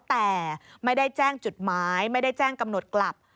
แต่ไม่ได้แจ้งจุดหมายไม่ได้แจ้งกำหนดกลับ